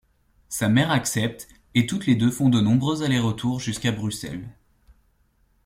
Sa mère accepte et toutes les deux font de nombreux aller-retours jusqu'à Bruxelles.